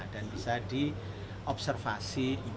dan bisa diobservasi